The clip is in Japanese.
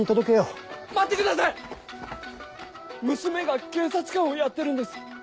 娘が警察官をやってるんです